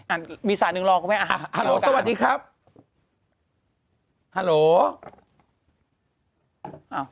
อ่ะมีสายหนึ่งรอครับไหมอ่ะฮัลโหลสวัสดีครับฮัลโหลอ่า